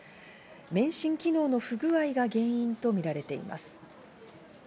免震機能の不具合が原因とみられています。